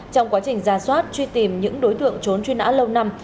trong quá trình ra soát truy tìm những đối tượng trốn truy nã lâu năm